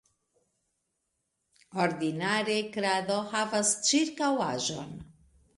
Ordinare krado havas ĉirkaŭaĵon.